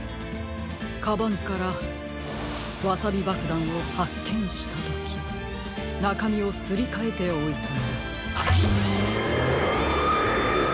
カバンからワサビばくだんをはっけんしたときなかみをすりかえておいたのです。